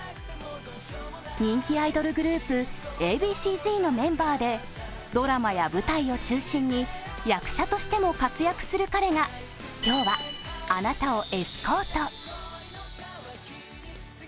人気アイドルグループＡ．Ｂ．Ｃ−Ｚのメンバーでドラマや舞台を中心に役者としても活躍する彼が今日はあなたをエスコート。